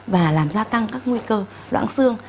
và làm gia tăng các nguy cơ loãng xương